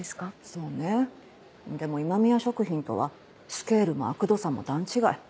そうねでも今宮食品とはスケールもあくどさも段違い。